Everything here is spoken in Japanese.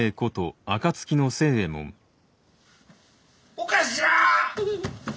お頭！